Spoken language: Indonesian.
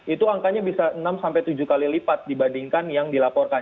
itu angkanya bisa enam tujuh kali lipat dibandingkan yang dilaporkan